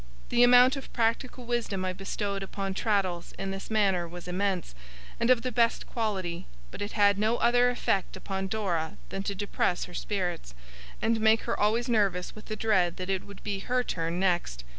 The amount of practical wisdom I bestowed upon Traddles in this manner was immense, and of the best quality; but it had no other effect upon Dora than to depress her spirits, and make her always nervous with the dread that it would be her turn next.